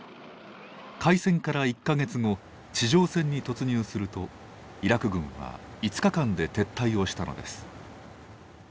開戦から１か月後地上戦に突入するとイラク軍は５日間で撤退をしたのです。